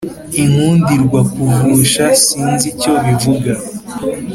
inkundirwakuvusha sinzi icyo bivuga